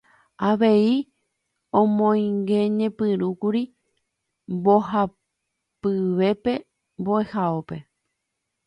Avei omoingeñepyrũkuri mbohapyvépe mbo'ehaópe.